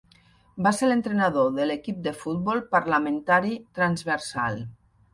Va ser l'entrenador de l'equip de futbol parlamentari transversal.